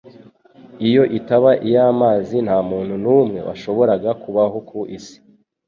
Iyo itaba iy'amazi nta muntu n'umwe washoboraga kubaho ku isi